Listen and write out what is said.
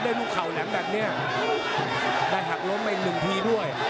ได้ดูเข่าแหลมแบบเนี้ยได้หักล้มอีกหนึ่งทีด้วย